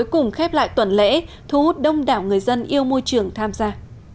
cùng khép lại tuần lễ thu hút đông đảo người dân yêu môi trường tham gia